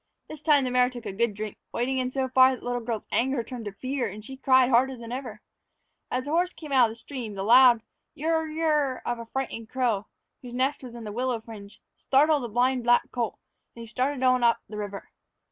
This time the mare took a good drink, wading in so far that the little girl's anger turned to fear and she cried harder than ever. As the horse came out of the stream, the loud yur, yur, of a frightened crow, whose nest was in the willow fringe, startled the blind black colt, and he started on a run up the river.